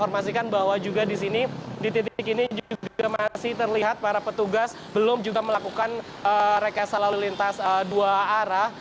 masih terlihat para petugas belum juga melakukan rekayasa lalu lintas dua arah